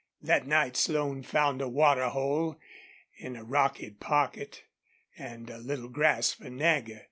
That night Slone found a water hole in a rocky pocket and a little grass for Nagger.